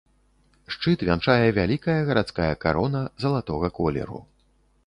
Шчыт вянчае вялікая гарадская карона залатога колеру.